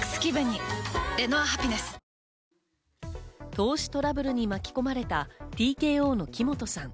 投資トラブルに巻き込まれたＴＫＯの木本さん。